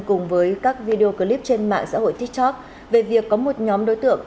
cùng với các video clip trên mạng xã hội tiktok về việc có một nhóm đối tượng